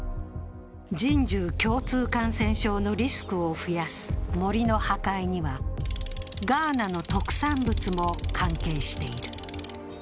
人獣共通感染症のリスクを増やす森の破壊には、ガーナの特産物も関係している。